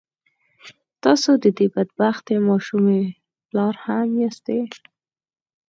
تاسو د دې بد بختې ماشومې پلار هم ياستئ.